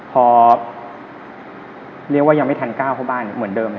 พอเรียกว่ายังไม่ทันก้าวเข้าบ้านเหมือนเดิม